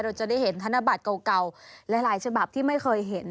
เราจะได้เห็นธนบัตรเก่าหลายฉบับที่ไม่เคยเห็น